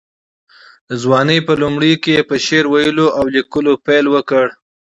د ځوانۍ په لومړیو کې یې په شعر ویلو او لیکوالۍ پیل وکړ.